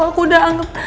aku udah anggap